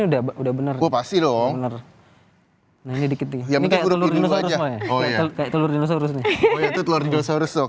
udah udah bener kan sih dong ini dikit jamin mandukan telur dinosaurus mini telur dinosaurus